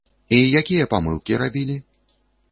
І якія памылкі рабілі?